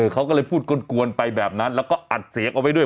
เขาก็เลยพูดกวนไปแบบนั้นแล้วก็อัดเสียงเอาไว้ด้วย